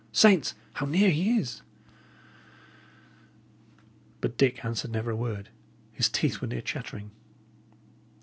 "Saints! how near he is!" But Dick answered never a word; his teeth were near chattering.